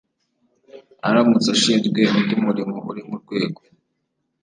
Aramutse ashinzwe undi murimo uri mu rwego